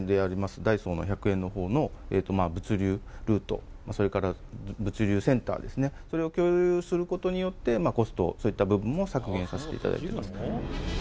ダイソーの１００円のほうの物流ルート、それから物流センターですね、それを共有することによって、コスト、そういった部分も削減させていただいております。